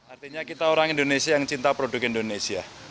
artinya kita orang indonesia yang cinta produk indonesia